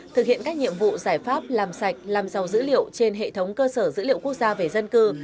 thực hiện các nhiệm vụ giải pháp làm sạch làm giàu dữ liệu trên hệ thống cơ sở dữ liệu quốc gia về dân cư